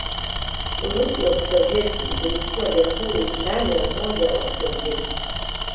Urusi wa Kisovyeti ulikuwa jamhuri ndani ya Umoja wa Kisovyeti.